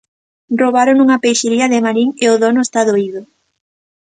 Roubaron nunha peixería de Marín e o dono está doído.